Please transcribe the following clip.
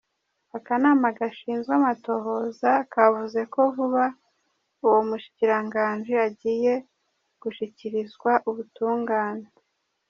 Akanama gashinzwe amatohoza kavuze ko vuba, uwo mushikiranganji agiye gushikirizwa ubutungane.